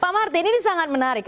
pak martin ini sangat menarik